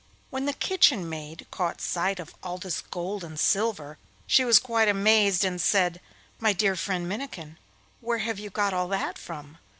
When the kitchen maid caught sight of all this gold and silver she was quite amazed, and said: 'My dear friend Minnikin, where have you got all that from?